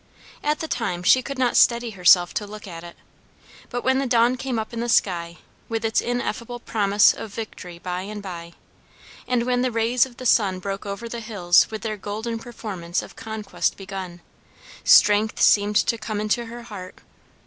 At the time she could not steady herself to look at it; but when the dawn came up in the sky, with its ineffable promise of victory by and by, and when the rays of the sun broke over the hills with their golden performance of conquest begun, strength seemed to come into her heart.